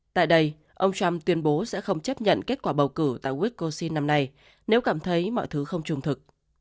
tại đây ông trump tuyên bố sẽ không chấp nhận kết quả bầu cử tại wiscosin năm nay nếu cảm thấy mọi thứ không trung thực